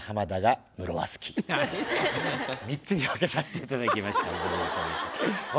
３つに分けさせていただきました思いを込めて。